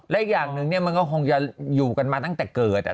และอีกอย่างหนึ่งมันก็คงจะอยู่กันมาตั้งแต่เกิด